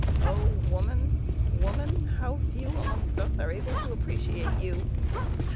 Oh! woman,—woman, how few amongst us are able to appreciate you!